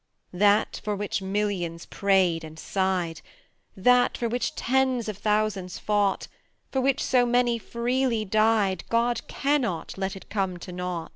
That for which millions prayed and sighed, That for which tens of thousands fought, For which so many freely died, God cannot let it come to naught.